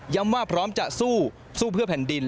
ย้ำว่าพร้อมจะสู้เส้นเพื่อแผ่นดิน